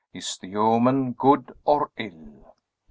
Is the omen good or ill?"